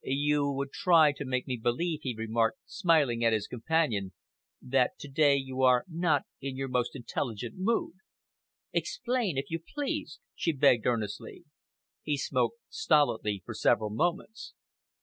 "You would try to make me believe," he remarked, smiling at his companion, "that to day you are not in your most intelligent mood." "Explain, if you please," she begged earnestly. He smoked stolidly for several moments.